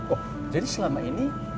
oh jadi selama ini